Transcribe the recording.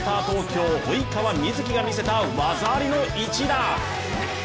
東京及川瑞基が見せた技ありの一打！